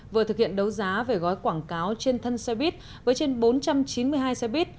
vừa thực hiện đấu giá về gói quảng cáo trên thân xe buýt với trên bốn trăm chín mươi hai xe buýt